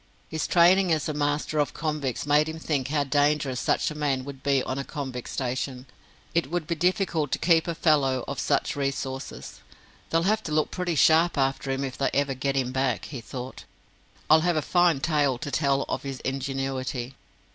His training as a master of convicts made him think how dangerous such a man would be on a convict station. It would be difficult to keep a fellow of such resources. "They'll have to look pretty sharp after him if they ever get him back," he thought. "I'll have a fine tale to tell of his ingenuity."